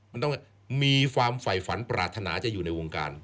มันต้องมีความฝ่ายฝันปรารถนาจะอยู่ในวงการ